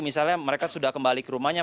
misalnya mereka sudah kembali ke rumahnya